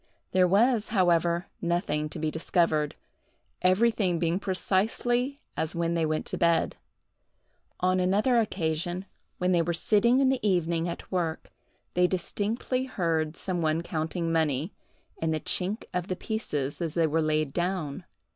There was, however, nothing to be discovered, everything being precisely as when they went to bed. On another occasion, when they were sitting in the evening at work, they distinctly heard some one counting money, and the chink of the pieces as they were laid down.